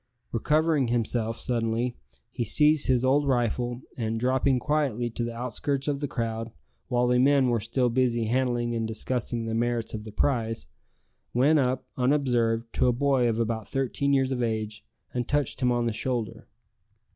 Recovering himself suddenly, he seized his old rifle, and dropping quietly to the outskirts of the crowd, while the men were still busy handling and discussing the merits of the prize, went up, unobserved, to a boy of about thirteen years of age, and touched him on the shoulder.